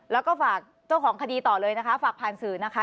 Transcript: แล้วก็ฝากเจ้าของคดีต่อเลยนะคะฝากผ่านสื่อนะคะ